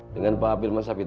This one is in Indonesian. dengan pak pilman sabitra